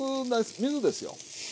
水ですよ。